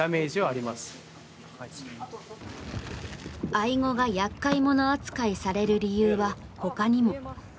アイゴが厄介者扱いされる理由はほかにも。